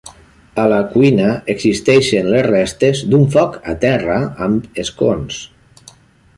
A la cuina existeixen les restes d'un foc a terra amb escons.